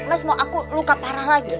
mas mau aku luka parah lagi